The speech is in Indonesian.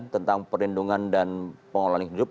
tentang perlindungan dan pengelolaan lingkungan hidup